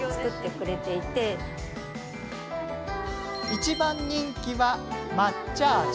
一番人気は、抹茶味。